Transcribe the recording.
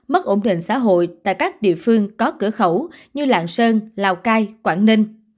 mất ổn định xã hội tại các địa phương có cửa khẩu như lạng sơn lào cai quảng ninh